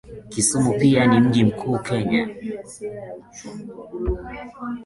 Kisumu pia ni mjii mkuu Kenya